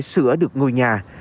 sửa được ngôi nhà